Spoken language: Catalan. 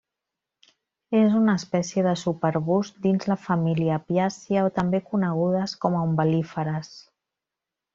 És una espècie de subarbust dins la família apiàcia o també conegudes com a Umbel·líferes.